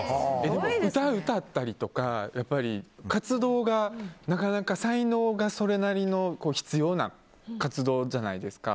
でも歌を歌ったりとか活動がなかなか才能がそれなりに必要な活動じゃないですか。